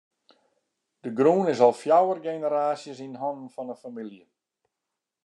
De grûn is al fjouwer generaasjes yn hannen fan de famylje.